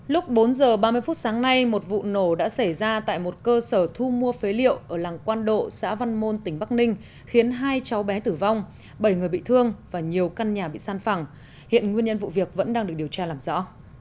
lúc bốn h ba mươi phút sáng nay một vụ nổ đã xảy ra tại một cơ sở thu mua phế liệu ở làng quan độ xã văn môn tỉnh bắc ninh khiến hai cháu bé tử vong bảy người bị thương và nhiều căn nhà bị săn phẳng hiện nguyên nhân vụ việc vẫn đang được điều tra làm rõ